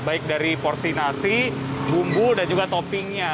baik dari porsi nasi bumbu dan juga toppingnya